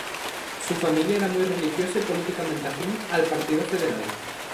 Su familia era muy religiosa, y políticamente afín al Partido Federal.